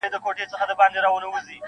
زه په لمبو کي د پتنګ میني منلی یمه-